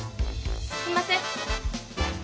すんません。